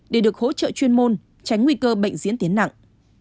để được hỗ trợ chuyên môn tránh nguy cơ bệnh diễn tiến nặng